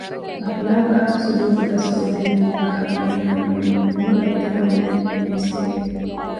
އަޚުލާޤާ ސުލޫކު ދަސްކޮށްދެއްވުމުގައި އޭނާގެ މުޅި އުމުރު ހޭދަކޮށްލެއްވި މޭސްތިރިއެއް